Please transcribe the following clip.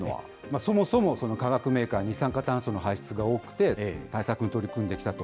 そもそも化学メーカー、二酸化炭素の排出が多くて、対策に取り組んできたと。